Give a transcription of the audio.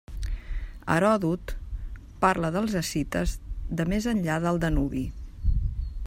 Heròdot parla dels escites de més enllà del Danubi.